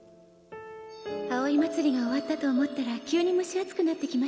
「葵祭が終わったと思ったら急に蒸し暑くなってきましたね」